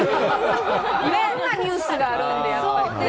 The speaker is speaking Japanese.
いろんなニュースがあるんで。